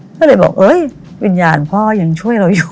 ก็เลยบอกเอ้ยวิญญาณพ่อยังช่วยเราอยู่